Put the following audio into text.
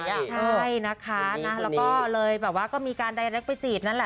ใช่นะคะแล้วก็มีการดายแร็คไปจีบนั่นแหละ